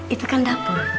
itu kan dapur